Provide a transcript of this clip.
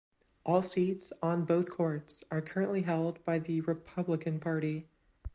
All seats on both courts are currently held by the Republican Party.